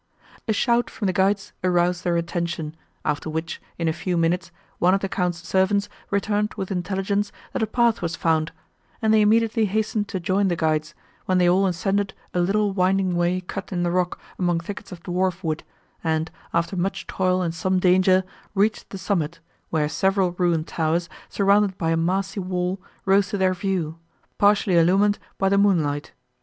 A shout from the guides aroused their attention, after which, in a few minutes, one of the Count's servants returned with intelligence, that a path was found, and they immediately hastened to join the guides, when they all ascended a little winding way cut in the rock among thickets of dwarf wood, and, after much toil and some danger, reached the summit, where several ruined towers, surrounded by a massy wall, rose to their view, partially illumined by the moonlight.